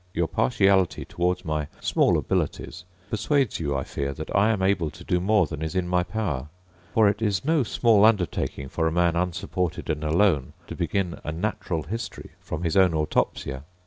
Your partiality towards my small abilities persuades you, I fear, that I am able to do more than is in my power: for it is no small undertaking for a man unsupported and alone to begin a natural history from his own autopsia!